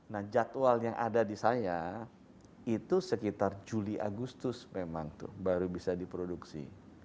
nah jadwal yang ada di saya itu sekitar juli agustus memang tuh baru bisa diproduksi